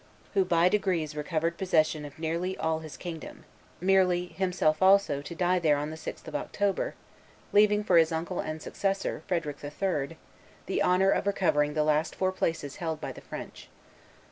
who by degrees recovered possession of nearly all his kingdom, merely, himself also, to die there on the 6th of October, leaving for his uncle and successor, Frederick III., the honor of recovering the last four places held by the French.